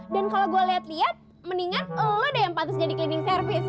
dan kalo gue liat liat mendingan lo deh yang patut jadi cleaning service